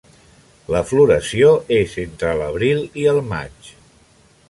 La floració és entre l'Abril i el Maig.